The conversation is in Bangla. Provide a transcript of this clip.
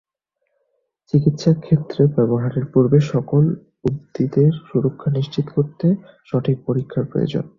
চিকিৎসা ক্ষেত্রে ব্যবহারের পূর্বে সকল উদ্ভিদের সুরক্ষা নিশ্চিত করতে সঠিক পরীক্ষার প্রয়োজন।